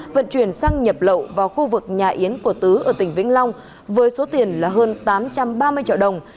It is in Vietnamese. vận chuyển sang nhập lậu vào khu vực nhà yến của tứ ở tỉnh vĩnh long với số tiền là hơn tám trăm ba mươi triệu đồng